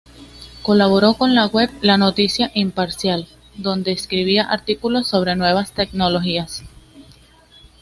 Colaboró con la web "La Noticia Imparcial", donde escribía artículos sobre nuevas tecnologías.